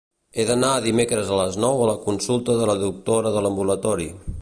He d'anar dimecres a les nou a la consulta de la doctora de l'ambulatori.